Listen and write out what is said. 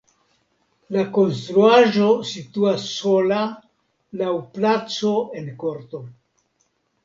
La konstruaĵo situas sola laŭ placo en korto.